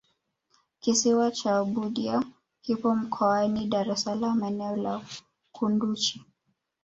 kisiwa cha budya kipo mkoani dar es salaam eneo la kunduchi